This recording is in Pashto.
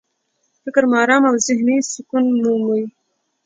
فکر مو ارامي او ذهني سکون مومي.